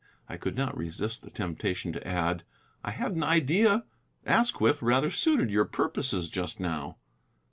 I could not resist the temptation to add, "I had an idea Asquith rather suited your purposes just now."